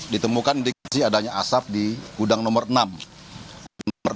ditemukan diksi adanya asap di gudang nomor enam